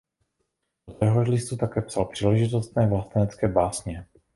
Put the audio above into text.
Do téhož listu také psal příležitostné vlastenecké básně.